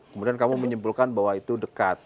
kemudian kamu menyimpulkan bahwa itu dekat